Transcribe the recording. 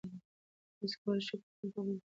تاسي کولای شئ په خپلو خبرو کې له ملي جذبې کار واخلئ.